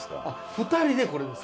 ２人でこれ。